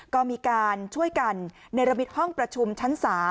ก็มีการช่วยกันในระบิตห้องประชุมชั้น๓